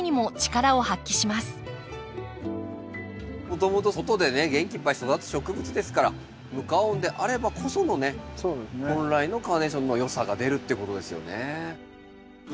もともと外でね元気いっぱい育つ植物ですから無加温であればこそのね本来のカーネーションのよさが出るっていうことですよね。